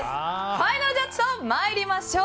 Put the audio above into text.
ファイナルジャッジと参りましょう。